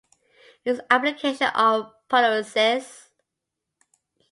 It is an application of pyrolysis.